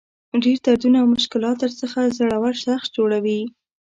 ډېر دردونه او مشکلات درڅخه زړور شخص جوړوي.